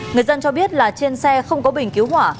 người dân cho biết là trên xe không có bình cứu hỏa